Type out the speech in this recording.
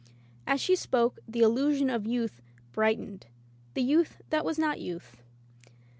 As she spoke the illusion of youth bright ened — the youth that was not youth.